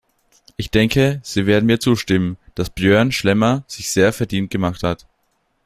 Ich denke, Sie werden mir zustimmen, dass Björn Schlemmer sich sehr verdient gemacht hat.